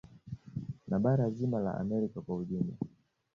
Na bara zima la Amerika kwa ujumla